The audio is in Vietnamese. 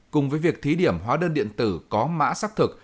cùng với việc thí điểm hóa đơn điện tử có mã xác thực